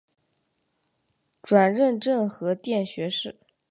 转任政和殿学士。